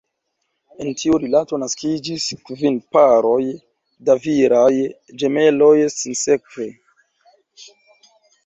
El tiu rilato naskiĝis kvin paroj da viraj ĝemeloj, sinsekve.